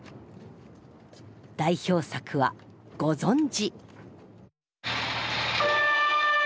代表作はご存じ